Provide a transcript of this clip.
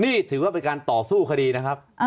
นี่ถือว่าเป็นการต่อสู้คดีนะครับ